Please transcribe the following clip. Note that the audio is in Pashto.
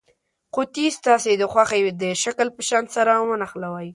قطي ستاسې د خوښې د شکل په شان سره ونښلوئ.